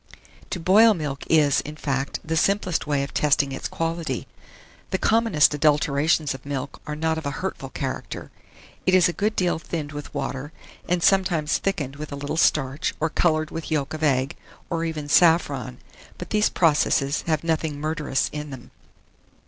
To boil milk is, in fact, the simplest way of testing its quality. The commonest adulterations of milk are not of a hurtful character. It is a good deal thinned with water, and sometimes thickened with a little starch, or colored with yolk of egg, or even saffron; but these processes have nothing murderous in them.